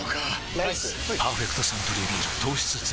ライス「パーフェクトサントリービール糖質ゼロ」